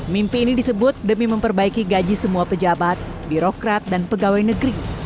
mimpi ini disebut demi memperbaiki gaji semua pejabat birokrat dan pegawai negeri